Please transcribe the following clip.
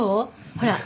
ほら。